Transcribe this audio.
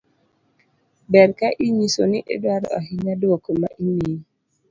ber ka inyiso ni idwaro ahinya duoko ma imiyi